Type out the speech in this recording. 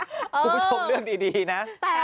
คุณผู้ชมเรื่องดีนะ